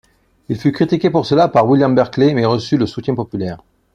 Il fut critiqué pour cela par William Berkeley mais reçut le soutien populaire.